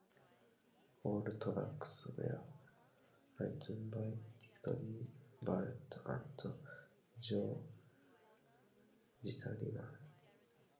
All tracks were written by Dicky Barrett and Joe Gittleman.